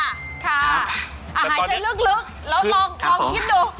ค่ะอาหารใจลึกแล้วลองคิดดู